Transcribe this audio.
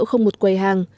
không một quầy hàng